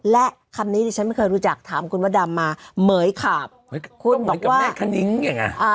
และคำนี้ที่ฉันไม่เคยรู้จักถามคุณพระดำมาเหมือยขาบเหมือนกับแม่คณิ้งยังไง